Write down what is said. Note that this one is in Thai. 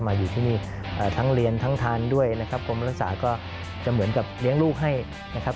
มาอยู่ที่นี่ทั้งเรียนทั้งทานด้วยนะครับกรมรักษาก็จะเหมือนกับเลี้ยงลูกให้นะครับ